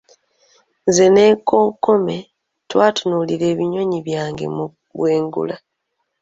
Nze n'ekonkome, twatutunulira ebinyonyi byange mu bwengula.